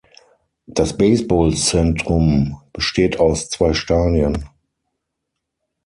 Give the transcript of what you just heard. Das Baseball-Zentrum besteht aus zwei Stadien.